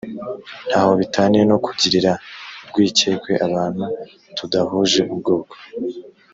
nta ho bitaniye no kugirira urwikekwe abantu tudahuje ubwoko